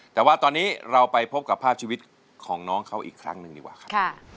แต่ว่าตอนนี้เราไปพบกับภาพชีวิตของน้องเขาอีกครั้งหนึ่งดีกว่าครับ